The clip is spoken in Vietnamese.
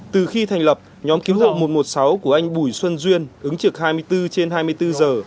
từ khi thành lập nhóm cứu hộ một trăm một mươi sáu của anh bùi xuân duyên ứng trực hai mươi bốn trên hai mươi bốn giờ